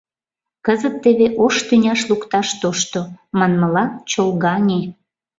Кызыт теве ош тӱняш лукташ тошто, манмыла, чолгаҥе.